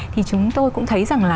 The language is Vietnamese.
thì chúng tôi cũng thấy rằng là